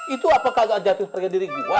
itu apa kagak jatuh harga diri gua